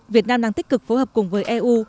việt nam đang tích cực phối hợp cùng với eu